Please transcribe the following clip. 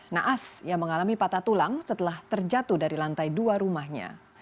naas yang mengalami patah tulang setelah terjatuh dari lantai dua rumahnya